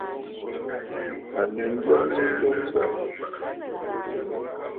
À lɛ njəŋnə nloŋ ŋgaa yàà.